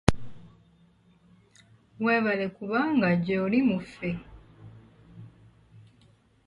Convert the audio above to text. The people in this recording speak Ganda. Weebale kuba ng'okyali mu ffe.